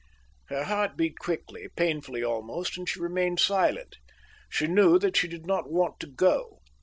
Her heart beat quickly, painfully almost, and she remained silent. She knew that she did not want to go.